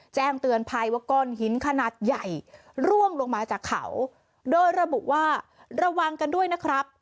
แจ้งเตือนภัยว่าก้อนหินขนาดใหญ่ร่วงลงมาจากเขาโดยระบุว่าระวังกันด้วยนะครับ